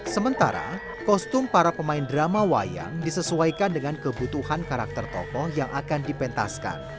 sementara kostum para pemain drama wayang disesuaikan dengan kebutuhan karakter tokoh yang akan dipentaskan